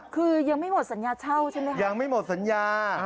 คือยังไม่หมดสัญญาเช่าใช่ไหมคะยังไม่หมดสัญญา